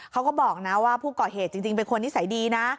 เขาก็บอกนะว่าผู้ก่อเหตุจริงเป็นคนนิสัยดีนะ